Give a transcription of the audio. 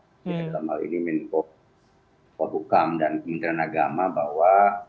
jadi dalam hal ini menko bukam dan kementerian agama bahwa